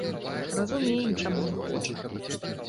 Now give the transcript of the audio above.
Разумеем, чаму не хоча.